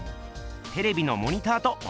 テレビのモニターと同じしくみっす。